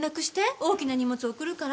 大きな荷物送るから。